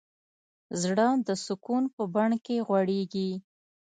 زړه د سکون په بڼ کې غوړېږي.